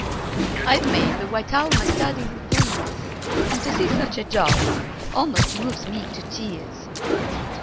I've made the white owl my study for years, And to see such a job almost moves me to tears!